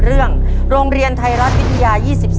เรื่องโรงเรียนไทยรัฐวิทยา๒๓